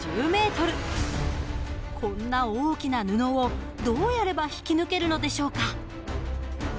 こんな大きな布をどうやれば引き抜けるのでしょうか？